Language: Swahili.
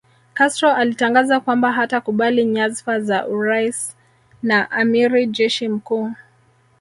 Castro alitangaza kwamba hatakubali nyazfa za urais na amiri jeshi mkuu